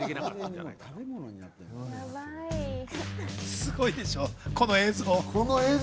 すごいでしょう、この映像。